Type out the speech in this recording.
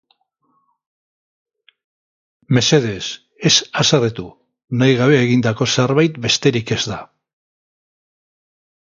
Mesedez, ez haserretu, nahi gabe egindako zerbait besterik ez da.